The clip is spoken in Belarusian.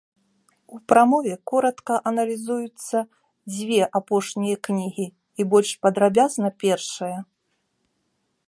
У прамове коратка аналізуюцца дзве апошнія кнігі і больш падрабязна першая.